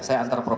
saya antar prof